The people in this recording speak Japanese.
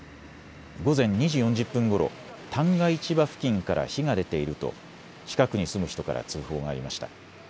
午前２時４０分ごろ旦過市場付近から火が出ていると近くに住む人から通報がありました。